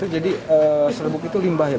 jadi serbuk itu limbah ya